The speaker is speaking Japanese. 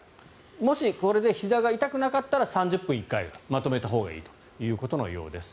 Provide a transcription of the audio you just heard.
もしこれでひざが痛くなかったら３０分１回ぐらいでまとめたほうがいいということのようです。